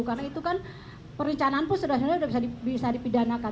karena itu kan perencanaan pun sudah bisa dipidanakan